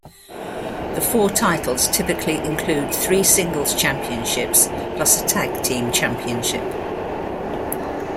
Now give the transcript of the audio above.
The four titles typically include three singles championships plus a tag team championship.